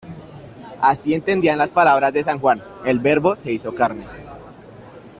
Así entendían las palabras de San Juan: "el Verbo se hizo carne".